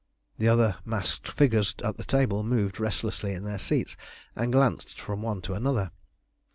The other masked figures at the table moved restlessly in their seats, and glanced from one to another.